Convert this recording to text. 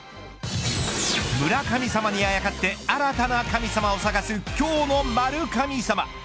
村神様にあやかって新たな神様を探す今日の○神様。